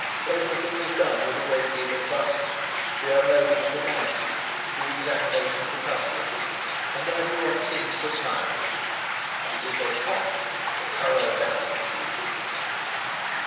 Everything is done with a great deal of bustle, the unloading of the baggage, the examination of the customs; and everyone seems to smile at you. It is very hot. The colour dazzles you.